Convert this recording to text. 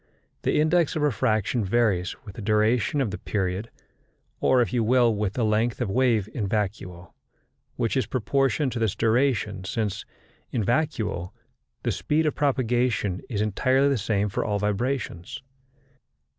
The index of refraction varies with the duration of the period, or, if you will, with the length of wave in vacuo which is proportioned to this duration, since in vacuo the speed of propagation is entirely the same for all vibrations.